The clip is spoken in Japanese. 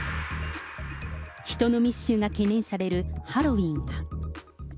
人の密集が懸念されるハロウィーンが。